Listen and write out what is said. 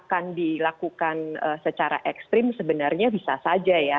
kalau kemudian ini akan dilakukan secara ekstrim sebenarnya bisa saja ya